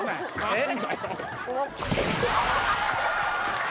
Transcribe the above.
えっ？